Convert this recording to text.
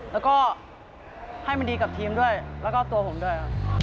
แล้วก็ให้มันดีกับทีมด้วยแล้วก็ตัวผมด้วยครับ